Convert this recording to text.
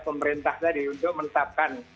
pemerintah tadi untuk menetapkan